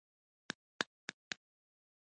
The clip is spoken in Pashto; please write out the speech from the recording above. فشار د خپګان او د دفاعي سیستم د کمزورتیا لامل کېږي.